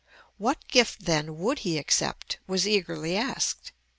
What gift, then, would he accept, was eagerly asked.